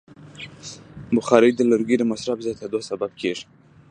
بخاري د لرګیو د مصرف زیاتیدو سبب کېږي.